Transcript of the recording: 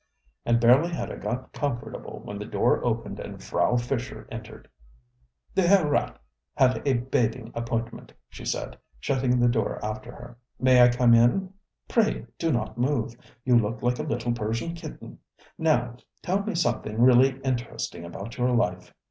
And barely had I got comfortable when the door opened and Frau Fischer entered. ŌĆ£The Herr Rat had a bathing appointment, ŌĆØ she said, shutting the door after her. ŌĆ£May I come in? Pray do not move. You look like a little Persian kitten. Now, tell me something really interesting about your life.